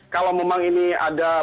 kalau memang ini ada